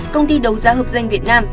công ty đấu giá hợp danh việt nam